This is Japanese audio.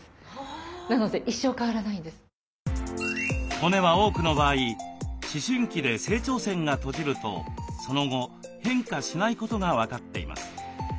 骨は多くの場合思春期で成長線が閉じるとその後変化しないことが分かっています。